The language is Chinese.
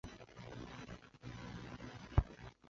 埃马勒维尔。